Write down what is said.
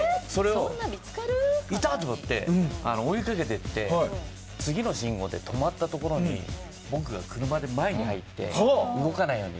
いた！って思って追いかけて行って、次の信号で止まったところに僕が車で前に入って動かないように。